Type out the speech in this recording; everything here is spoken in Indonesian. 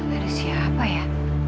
ada siapa ya